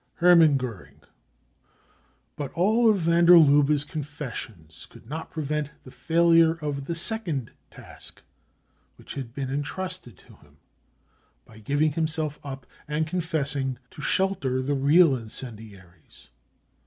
Hermann Goering. But all of van der Lubbe's con fessions could not prevent the failure of the second task which had been entrusted to him : by giving himself up and confessing, to shelter the real incendiaries.